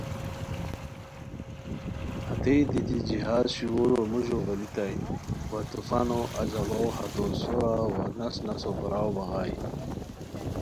ہتئے دیتی جہاز شوغورو موژو گریتائے وا طوفانو اجاڑوغ ہتو سورو وا نس نسو غیراؤ بغانی